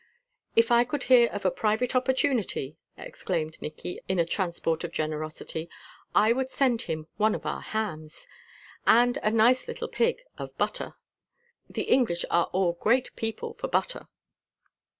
"If I could hear of a private opportunity," exclaimed Nicky, in a transport of generosity, "I would send him one of our hams, and a nice little pig of butter the English are all great people for butter."